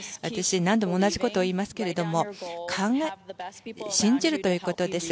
何度も同じことを言いますが信じるということです。